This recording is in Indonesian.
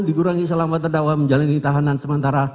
dikurangi selama terdakwa menjalani tahanan sementara